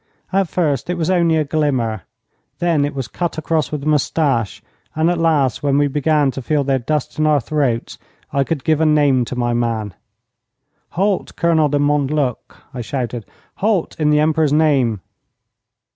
At first it was only a glimmer, then it was cut across with a moustache, and at last when we began to feel their dust in our throats I could give a name to my man. 'Halt, Colonel de Montluc!' I shouted. 'Halt, in the Emperor's name!'